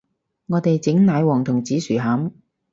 我哋整奶黃同紫薯餡